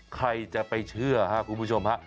ใครจะไปเชื่อครับคุณผู้ชมฮะ